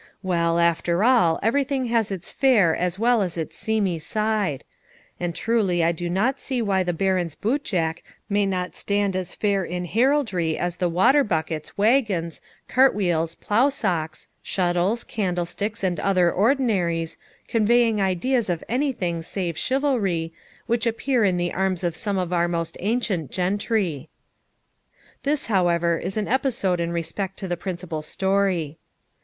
Well, after all, everything has its fair as well as its seamy side; and truly I do not see why the Baron's boot jack may not stand as fair in heraldry as the water buckets, waggons, cart wheels, plough socks, shuttles, candlesticks, and other ordinaries, conveying ideas of anything save chivalry, which appear in the arms of some of our most ancient gentry.' This, however, is an episode in respect to the principal story.